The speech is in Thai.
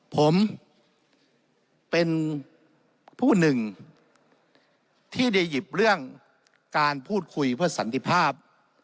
ผมเป็นผู้หนึ่งที่ได้หยิบเรื่องการพูดคุยเพื่อสันติภาพ